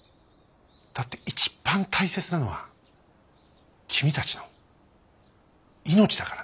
だって一番大切なのは君たちの命だからね。